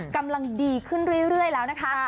กำลังดีขึ้นเรื่อยแล้วนะคะ